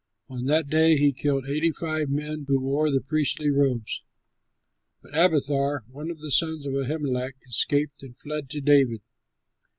On that day he killed eighty five men who wore the priestly robes. But Abiathar, one of the sons of Ahimelech, escaped and fled to David.